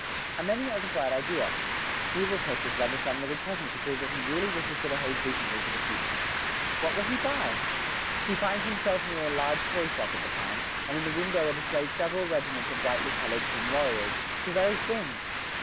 And then he has a bright idea: he will take his brother some little present to prove that he really wishes to behave decently for the future. What shall he buy? He finds himself near a large toy shop at the time, and in the window are displayed several regiments of brightly coloured tin warriors the very thing!